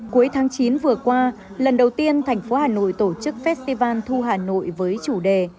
cuối tháng chín vừa qua lần đầu tiên thành phố hà nội tổ chức festival thu hà nội với chủ đề